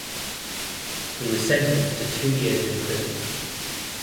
He was sentenced to two years in prison.